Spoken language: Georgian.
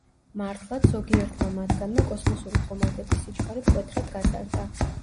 მართლაც, ზოგიერთმა მათგანმა კოსმოსური ხომალდების სიჩქარე მკვეთრად გაზარდა.